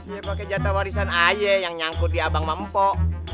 ya pake jata warisan ayah yang nyangkut di abang mempok